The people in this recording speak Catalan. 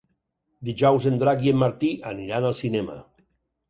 Dijous en Drac i en Martí aniran al cinema.